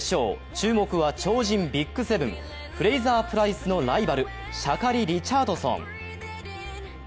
注目は超人ＢＩＧ７フレイザープライスのライバルシャカリ・リチャードソン。